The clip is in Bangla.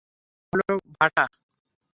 এ হলো ভাটা।